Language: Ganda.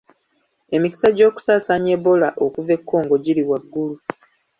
Emikisa gy'okusaasaanya Ebola okuva e Congo giri waggulu.